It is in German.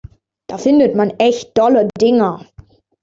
Da findet man echt dolle Dinger.